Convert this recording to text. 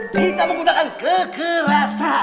kita menggunakan kekerasan